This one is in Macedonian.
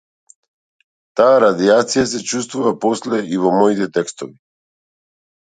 Таа радијација се чувствува после и во моите текстови.